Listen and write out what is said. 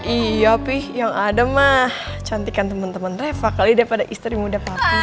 iya pih yang ada mah cantik kan temen temen reva kali daripada istri muda papi